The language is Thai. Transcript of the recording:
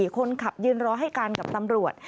คนขับยืนรอให้การกับตำรวจ